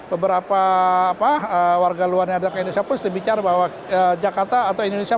beberapa warga luar negara ke indonesia pun sedih bicara bahwa jakarta atau indonesia